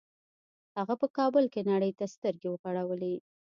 هغه په کابل کې نړۍ ته سترګې وغړولې